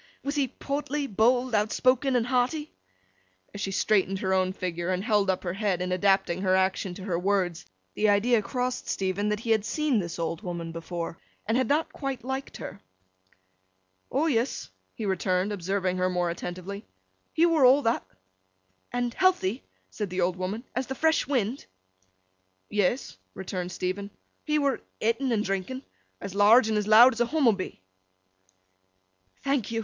Was he portly, bold, outspoken, and hearty?' As she straightened her own figure, and held up her head in adapting her action to her words, the idea crossed Stephen that he had seen this old woman before, and had not quite liked her. 'O yes,' he returned, observing her more attentively, 'he were all that.' 'And healthy,' said the old woman, 'as the fresh wind?' 'Yes,' returned Stephen. 'He were ett'n and drinking—as large and as loud as a Hummobee.' 'Thank you!